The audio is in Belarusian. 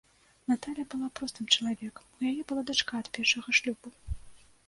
Наталля была простым чалавекам, у яе была дачка ад першага шлюбу.